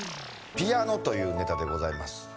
「ピアノ」というネタでございます